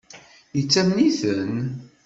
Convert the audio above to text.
Yettamen-iten?